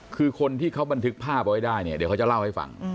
คือคนที่เขาบันทึกภาพเอาไว้ได้เนี่ยเดี๋ยวเขาจะเล่าให้ฟัง